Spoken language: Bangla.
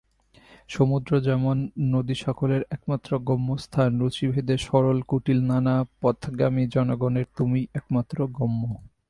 সমুদ্র যেমন নদীসকলের একমাত্র গম্যস্থান, রুচিভেদে সরল-কুটিল নানাপথগামী জনগণের তুমিই একমাত্র গম্য।